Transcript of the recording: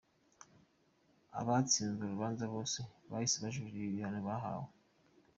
Abatsinzwe urubanza bose bahise bajuririra ibihano bahawe.